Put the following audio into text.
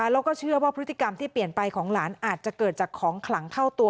แล้วก็เชื่อว่าพฤติกรรมที่เปลี่ยนไปของหลานอาจจะเกิดจากของขลังเข้าตัว